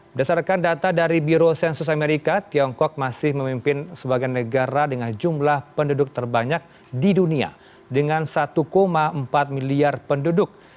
berdasarkan data dari biro sensus amerika tiongkok masih memimpin sebagai negara dengan jumlah penduduk terbanyak di dunia dengan satu empat miliar penduduk